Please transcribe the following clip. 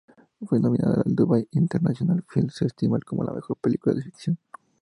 Fue nominada en Dubai International Film Festival como la Mejor película de ficción.